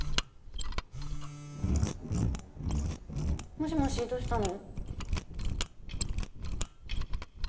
もしもしどうしたの？